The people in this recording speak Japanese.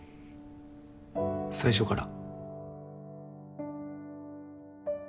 最初から。